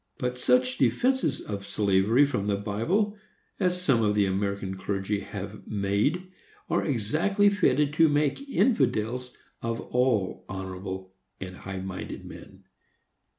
But such defences of slavery from the Bible as some of the American clergy have made are exactly fitted to make infidels of all honorable and high minded men.